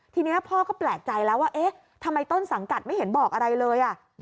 ทีนี้พ่อก็แปลกใจแล้วว่าเอ๊ะทำไมต้นสังกัดไม่เห็นบอกอะไรเลย